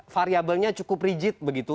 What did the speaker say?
variabelnya cukup rigid begitu